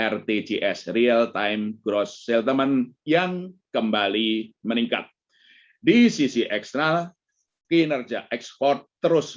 rtg sri el time gross settlement yang kembali meningkat di sisi eksternal kinerja ekspor terus